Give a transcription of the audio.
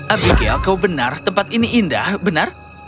abikel kau benar tempat ini indah benar